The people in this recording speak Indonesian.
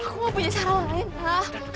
aku mau punya cara lain ha